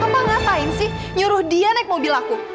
kamu ngapain sih nyuruh dia naik mobil aku